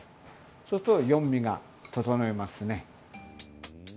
そうすると四味が調いますね。